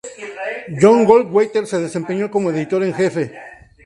John Goldwater se desempeñó como editor en jefe.